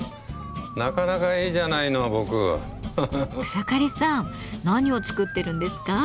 草刈さん何を作ってるんですか？